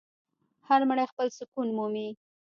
هر مړی خپل سکون مومي.